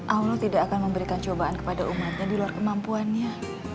allah tidak akan memberikan cobaan kepada umatnya di luar kemampuannya